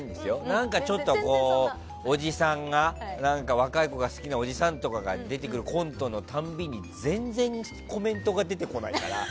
何かちょっと若い子が好きなおじさんが出てくるコントのたびに全然、コメントが出てこないから。